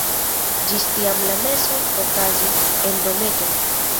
Ĝis tiam la mesoj okazis en dometo.